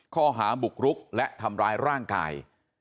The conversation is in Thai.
ข้อหาบุกรุกและทำร้ายร่างกาย